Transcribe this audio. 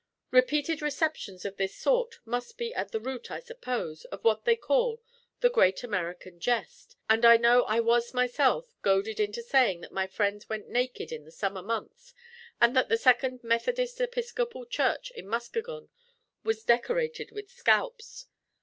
Repeated receptions of this sort must be at the root, I suppose, of what they call the Great American Jest; and I know I was myself goaded into saying that my friends went naked in the summer months, and that the Second Methodist Episcopal Church in Muskegon was decorated with scalps.